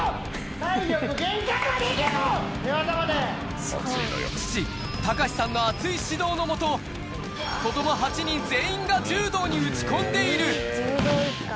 体力限界までい父、隆志さんの熱い指導の下、子ども８人全員が柔道に打ち込んでいる。